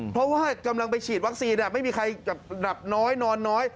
เพราะว่ากำลังไปฉีดวัคซีนไม่มีใครดับน้อยนอนน้อย